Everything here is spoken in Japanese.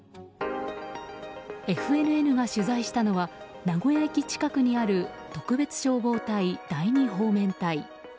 ＦＮＮが取材したのは名古屋駅近くにある特別消防隊第二方面隊。